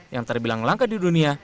yang terbilang langka di dunia